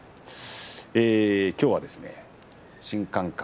きょうは「新感覚！